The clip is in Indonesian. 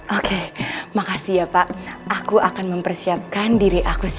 oke makasih ya pak aku akan mempersiapkan diri aku sendiri